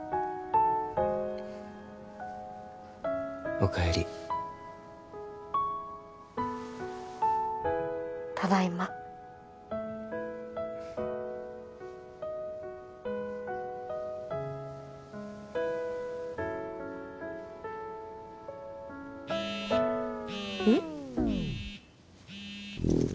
おかえりただいまうん？